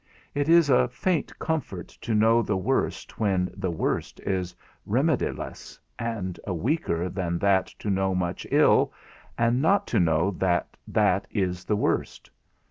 It is a faint comfort to know the worst when the worst is remediless, and a weaker than that to know much ill, and not to know that that is the worst.